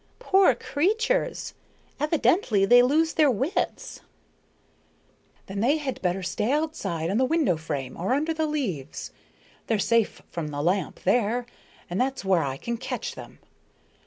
"Poor creatures! Evidently they lose their wits." "Then they had better stay outside on the window frame or under the leaves. They're safe from the lamp there, and that's where I can catch them.